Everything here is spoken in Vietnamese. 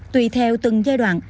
tùy theo từng giai đoạn